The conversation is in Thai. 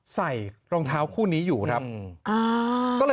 ใส่รองเท้าคู่นี้อยู่ครับ